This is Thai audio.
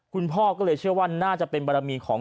คุณพ่อก็เลยเชื่อว่าน่าจะเป็นบารมีของ